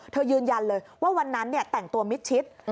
เธอยืนยันเลยว่าวันนั้นเนี่ยแต่งตัวมิจชิต